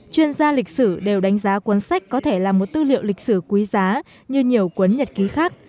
chuyên gia lịch sử đều đánh giá cuốn sách có thể là một tư liệu lịch sử quý giá như nhiều quấn nhật ký khác